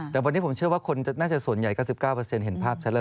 แต่วันนี้ผมเชื่อว่าคนน่าจะส่วนใหญ่ก็๑๙เห็นภาพชัดแล้ว